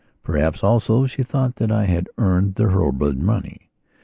Perhaps also she thought that I had earned the Hurlbird money.